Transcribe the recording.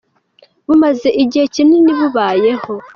bumaze igihe kinini bubayeho.